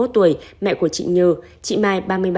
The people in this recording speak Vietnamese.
bốn mươi một tuổi mẹ của chị như chị mai